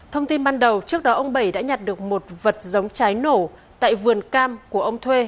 thông tin ban đầu trước đó ông bảy đã nhặt được một vật giống trái nổ tại vườn cam của ông thuê